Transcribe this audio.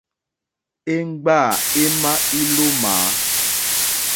Íŋɡbâ émá ílómǎ.